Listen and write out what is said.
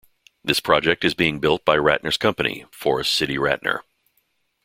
This project is being built by Ratner's company, Forest City Ratner.